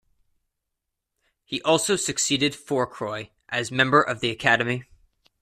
He also succeeded Fourcroy as member of the Academy.